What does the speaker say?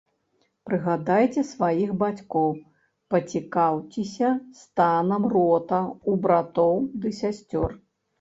Прыгадайце сваіх бацькоў, пацікаўцеся станам рота ў братоў ды сясцёр.